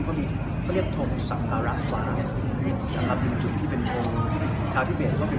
ทำให้เขาคิดว่าแล้วมันต้องชื่นหมายให้ทุกคนดี